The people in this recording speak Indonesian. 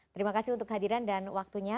terima kasih untuk kehadiran dan waktunya